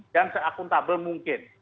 dan seakuntabel mungkin